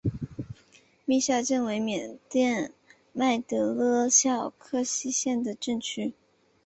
密沙镇为缅甸曼德勒省皎克西县的镇区。